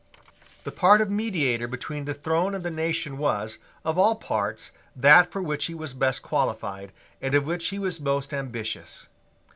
The part of mediator between the throne and the nation was, of all parts, that for which he was best qualified, and of which he was most ambitious.